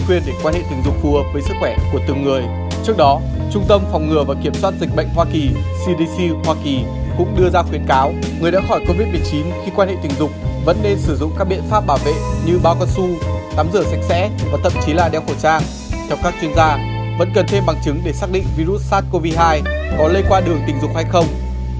vẫn cần thêm bằng chứng để xác định virus sars cov hai có lây qua đường tình dục hay không